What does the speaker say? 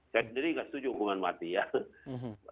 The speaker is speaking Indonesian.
saya sendiri nggak setuju hukuman mati ya